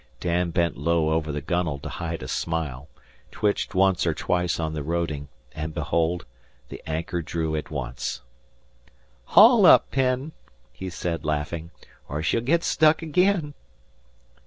Dan bent low over the gunwale to hide a smile, twitched once or twice on the roding, and, behold, the anchor drew at once. "Haul up, Penn," he said laughing, "er she'll git stuck again."